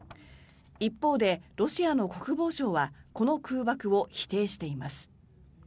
一方で、ロシアの国防省はこの空爆を否定しています。